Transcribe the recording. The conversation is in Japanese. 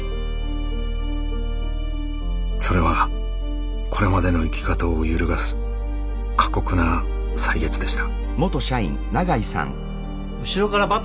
それはこれまでの生き方を揺るがす過酷な歳月でした。